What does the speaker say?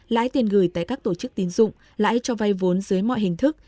lãi tiền gửi tại các tổ chức tín dụng lãi cho vay vốn dưới mọi hình thức